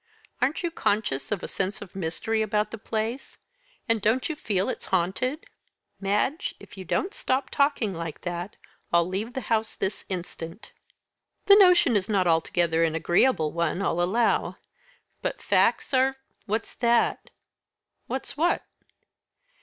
Aren't you conscious of a sense of mystery about the place, and don't you feel it's haunted?" "Madge, if you don't stop talking like that, I'll leave the house this instant." "The notion is not altogether an agreeable one, I'll allow; but facts are " "What's that?" "What's what?"